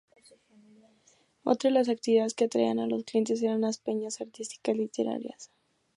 Otra de las actividades que atraían a los clientes eran las peñas artístico literarias.